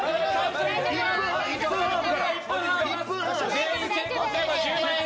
全員成功すれば１０万円！